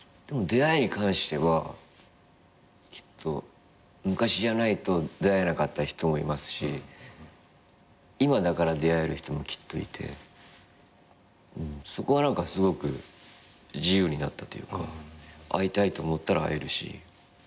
出会いに関してはきっと昔じゃないと出会えなかった人もいますし今だから出会える人もきっといてそこは何かすごく自由になったというか会いたいと思ったら会えるし。